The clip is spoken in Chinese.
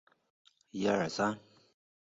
泥礼拥立遥辇氏迪辇组里为阻午可汗。